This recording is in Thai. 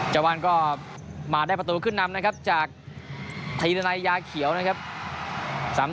เจ้าบ้านก็มาได้ประตูขึ้นนำนะครับจากธีรนัยยาเขียวนะครับ